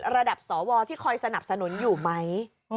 ระดับสวที่คอยสนับสนุนอยู่ไหม